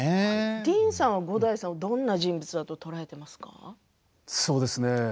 ディーンさんは五代さんをどんな人物だとそうですね。